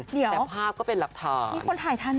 เดี๋ยวแต่ภาพก็เป็นหลักฐาน